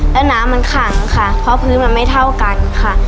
แล้วน้ำมันขังค่ะเพราะพื้นมันไม่เท่ากันค่ะ